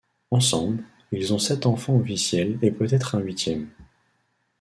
Ensemble, ils ont sept enfants officiels et peut-être un huitième.